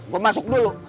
gue masuk dulu